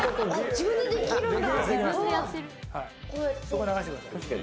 自分でできるんだ。